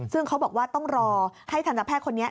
ซึ่งเขาบอกว่าต้องรอให้ทันตแพทย์คนนี้